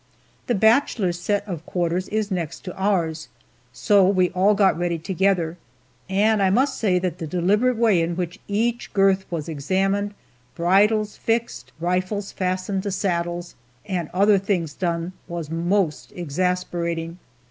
The bachelors' set of quarters is next to ours, so we all got ready together, and I must say that the deliberate way in which each girth was examined, bridles fixed, rifles fastened to saddles, and other things done, was most exasperating.